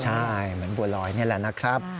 ใช่เหมือนบัวลอยนี่แหละนะครับ